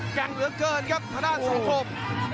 แกล้งเหลือเกินครับระดานสองครบ